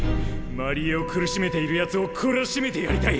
真理恵を苦しめているやつをこらしめてやりたい！